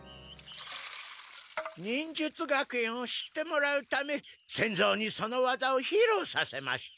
忍術学園を知ってもらうため仙蔵にそのわざをひろうさせました。